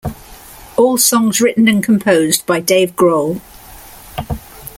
All songs written and composed by Dave Grohl.